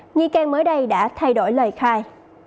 nhi cang mới đây đã thay đổi lời khai